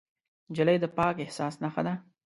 نجلۍ د پاک احساس نښه ده.